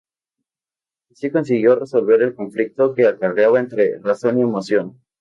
Así consiguió resolver el conflicto que acarreaba entre razón y emoción.